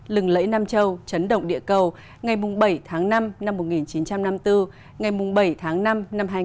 lẫy nam châu chấn động địa cầu ngày bảy tháng năm năm một nghìn chín trăm năm mươi bốn ngày bảy tháng năm năm hai nghìn hai mươi bốn